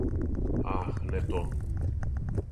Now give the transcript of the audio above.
Ах, не то!